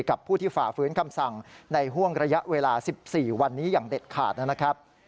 กับผู้ที่ฝ่าฝืนคำสั่งในห่วงระยะเวลา๑๔วันนี้อย่างเด็ดขาดนะครับ